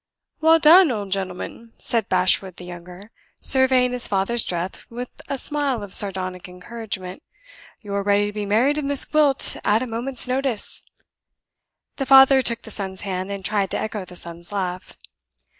"Well done, old gentleman!" said Bashwood the younger, surveying his father's dress with a smile of sardonic encouragement. "You're ready to be married to Miss Gwilt at a moment's notice!" The father took the son's hand, and tried to echo the son's laugh.